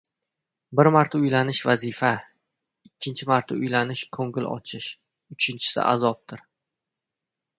Bir marta uylanish vazifa, ikkinchi marta uylanish ko‘ngil ochish, uchinchisi azobdir. Golland maqoli